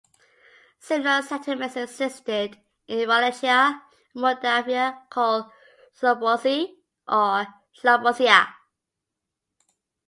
Similar settlements existed in Wallachia and Moldavia, called "slobozie" or "slobozia".